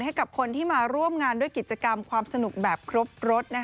ให้กับคนที่มาร่วมงานด้วยกิจกรรมความสนุกแบบครบรถ